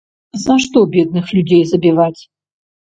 За што бедных людзей забіваць?